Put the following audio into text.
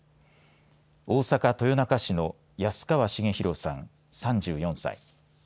大阪・豊中市の安川重裕さん、３４歳。